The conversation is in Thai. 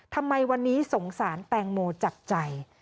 ทำไมวันนี้สงสารแตงโมจากใจ